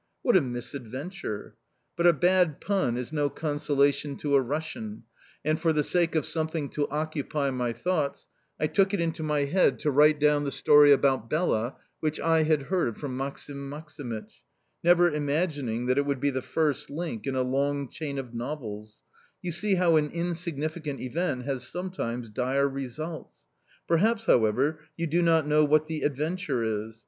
What a misadventure! ... But a bad pun is no consolation to a Russian, and, for the sake of something to occupy my thoughts, I took it into my head to write down the story about Bela, which I had heard from Maksim Maksimych never imagining that it would be the first link in a long chain of novels: you see how an insignificant event has sometimes dire results!... Perhaps, however, you do not know what the "Adventure" is?